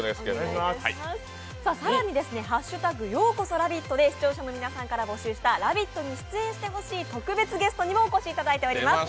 更に「＃ようこそラヴィット」で視聴者の皆さんから募集した「ラヴィット！」に出演してほしい特別ゲストにもお越しいただいています。